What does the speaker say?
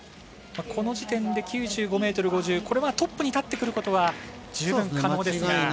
この時点で９５ｍ５０、これはトップに立ってくることは十分可能ですが。